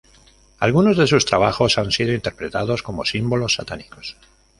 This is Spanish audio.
Algunos de sus trabajos han sido interpretados como símbolos satánicos.